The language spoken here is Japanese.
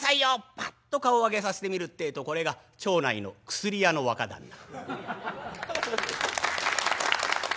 パッと顔上げさせてみるってえとこれが町内の薬屋の若旦那。